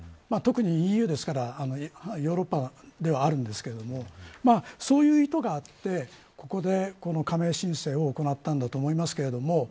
特にＥＵですからヨーロッパではあるんですけれどもそういう意図があってここで加盟申請を行ったんだと思いますけれども。